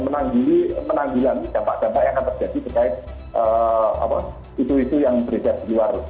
dan menanggili dampak dampak yang akan terjadi terkait situasi yang terjadi di luar